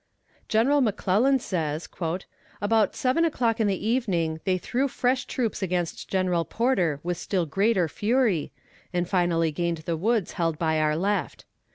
General McClellan says: "About seven o'clock in the evening they threw fresh troops against General Porter with still greater fury, and finally gained the woods held by our left.